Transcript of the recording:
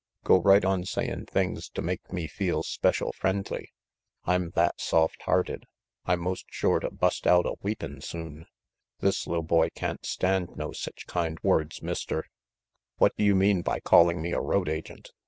Go right on sayin' things to make me feel special friendly. I'm that soft hearted, I'm most shore to bust out a weepin* soon. This li'l boy can't stand no sech kind words, Mister " "What do you mean by calling me a road agent?"